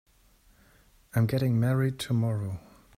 I'm getting married tomorrow.